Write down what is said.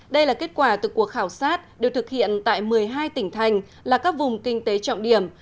đây là kết quả từ cuộc khảo sát được thực hiện tại một mươi hai tỉnh thành là các vùng kinh tế trọng điểm